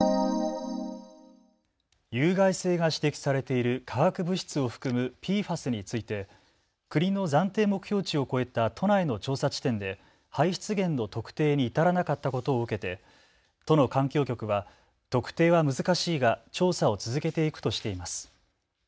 有害性が指摘されている化学物質を含むＰＦＡＳについて国の暫定目標値を超えた都内の調査地点で排出源の特定に至らなかったことを受けて都の環境局は特定は難しいが調査を続けていくとしています。